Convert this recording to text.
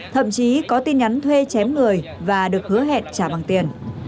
thậm chí có tin nhắn thuê chém người và được hứa hẹn trả bằng tiền